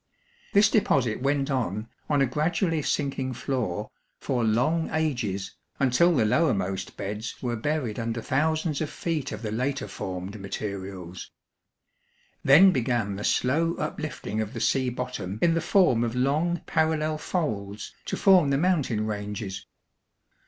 This deposit went on, on a gradually sinking floor, for long ages, until the lowermost beds were buried under thousands of feet of the later formed materials. Then began the slow uplifting of the sea bottom in the form of long, parallel folds to form the mountain ranges.